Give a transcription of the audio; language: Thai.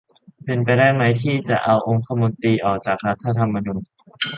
เป็นไปได้ไหมที่จะเอาองคมนตรีออกจากรัฐธรรมนูญ